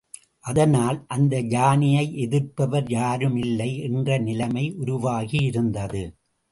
அதனால் அந்த யானையை எதிர்ப்பவர் யாரும் இல்லை என்ற நிலைமை உருவாகி இருந்தது.